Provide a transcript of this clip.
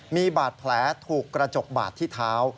มีบาดแผลถูกกระจกบาดที่เท้า